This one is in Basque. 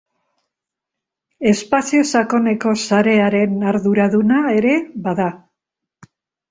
Espazio Sakoneko Sarearen arduraduna ere bada.